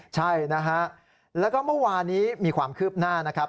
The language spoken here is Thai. ใช่นะฮะแล้วก็เมื่อวานี้มีความคืบหน้านะครับ